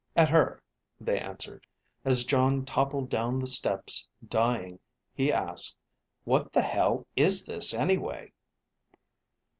At her, they answered. As Jon toppled down the steps, dying, he asked, _What the hell is this anyway?